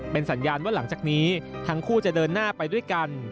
เป็นสัญญาณว่าหลังจากนี้ทั้งคู่จะเดินหน้าไปด้วยกัน